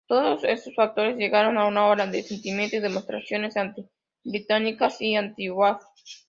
Todos estos factores llevaron a una ola de sentimiento y demostraciones anti-británicas y anti-Wafd.